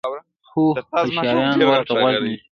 خو هوشیاران ورته غوږ نیسي.